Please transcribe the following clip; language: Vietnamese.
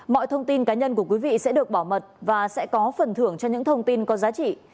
mọi thông tin cá nhân của quý vị sẽ được bảo mật và sẽ có phần thưởng cho những thông tin có giá trị